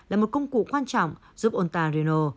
là một công cụ quan trọng giúp ontario